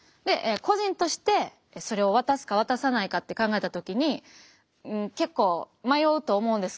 個人としてそれを渡すか渡さないかって考えた時に結構迷うと思うんです。